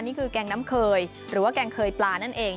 แกงน้ำเคยหรือว่าแกงเคยปลานั่นเอง